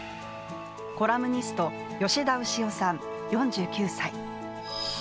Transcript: コラムニスト、吉田潮さん４９歳。